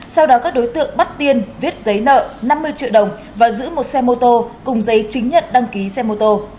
sau đó các đối tượng bắt tiên viết giấy nợ năm mươi triệu đồng và giữ một xe mô tô cùng giấy chứng nhận đăng ký xe mô tô